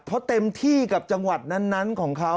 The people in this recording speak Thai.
เพราะเต็มที่กับจังหวัดนั้นของเขา